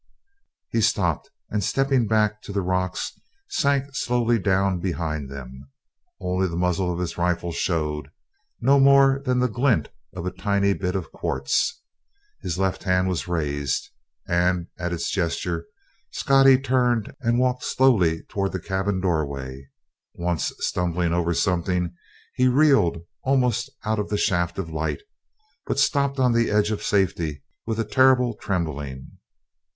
He stopped and, stepping back to the rocks, sank slowly down behind them. Only the muzzle of his rifle showed, no more than the glint of a tiny bit of quartz; his left hand was raised, and, at its gesture, Scottie turned and walked slowly toward the cabin doorway. Once, stumbling over something, he reeled almost out of the shaft of light, but stopped on the edge of safety with a terrible trembling.